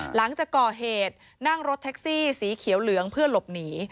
หลังจากก่อเหตุนั่งรถแท็กซี่สีเขียวเหลืองเพื่อหลบหนี